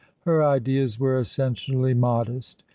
Her ideas were essentially m^odest.